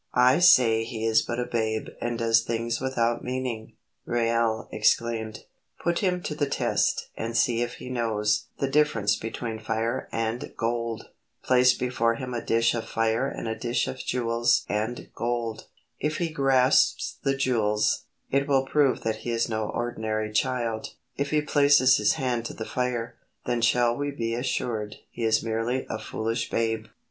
"I say he is but a babe and does things without meaning," Reuel exclaimed. "Put him to the test, and see if he knows the difference between fire and gold. Place before him a dish of fire and a dish of jewels and gold. If he grasps the jewels, it will prove that he is no ordinary child; if he places his hand to the fire, then shall we be assured he is merely a foolish babe."